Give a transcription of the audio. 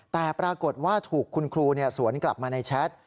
แต่ปรากฏว่าถูกคุณครูสวนกลับมาในแชท